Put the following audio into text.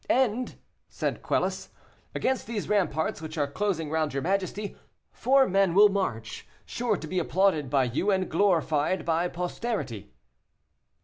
"And," said Quelus, "against these ramparts which are closing round your majesty, four men will march, sure to be applauded by you, and glorified by posterity."